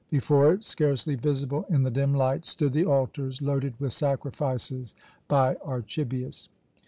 Before it, scarcely visible in the dim light, stood the altars, loaded with sacrifices by Archibius.